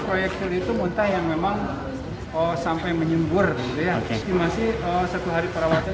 kreaktil itu muntah yang memang oh sampai menyembur ya masih satu hari perawatan